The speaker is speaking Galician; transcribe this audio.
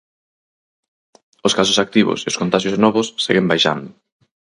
Os casos activos e os contaxios novos seguen baixando.